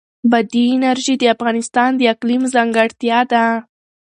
بادي انرژي د افغانستان د اقلیم ځانګړتیا ده.